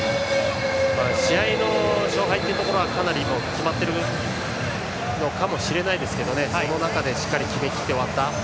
試合の勝敗っていうところはかなり決まってるのかもしれないですけどその中でしっかりと決めきって終わった。